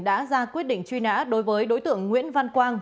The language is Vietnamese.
đã ra quyết định truy nã đối với đối tượng nguyễn văn quang